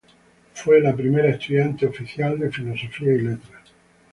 Fue la primera estudiante oficial de Filosofía y Letras.